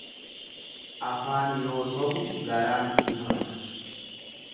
Afaan yoo sobu garaan hin hamata.